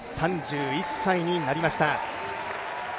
３１歳になりました。